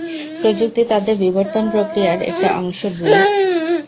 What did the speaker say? প্রযুক্তি তাদের বিবর্তন প্রক্রিয়ার একটা অংশ, ড্রুইগ।